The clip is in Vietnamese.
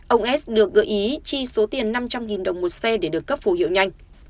ông s được gợi ý chi số tiền năm trăm linh đồng một xe để được cấp phù hiệu nhanh